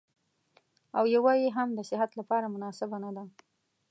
او يوه يې هم د صحت لپاره مناسبه نه ده.